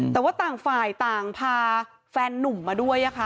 แต่ว่าต่างฝ่ายต่างพาแฟนนุ่มมาด้วยค่ะ